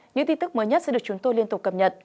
những tin tức mới nhất sẽ được chúng tôi liên tục cập nhật